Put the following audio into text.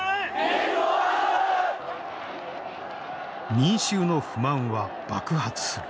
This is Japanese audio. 民衆の不満は爆発する。